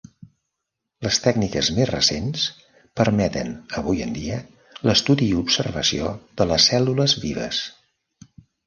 Les tècniques més recents permeten, avui en dia, l'estudi i observació de les cèl·lules vives.